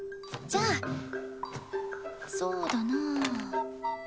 じゃあそうだな。